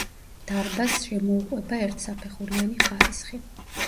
დარბაზს შემოუყვება ერთსაფეხურიანი ხარისხი.